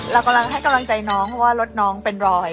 เรากำลังให้กำลังใจน้องต้องกรรมเล่นรอย